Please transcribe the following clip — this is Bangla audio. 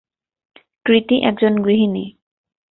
কৃতি একজন গৃহিণী।